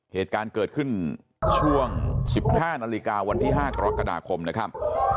เหตุการณ์เกิดขึ้นช่วง๑๕นาฬิกาวันที่๕กรกฎาคมนะครับ